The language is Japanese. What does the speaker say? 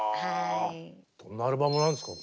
どんなアルバムなんですか？